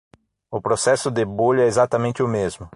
O processo de bolha é exatamente o mesmo.